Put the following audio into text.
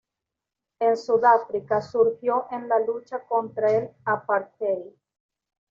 En Sudáfrica surgió en la lucha contra el "apartheid".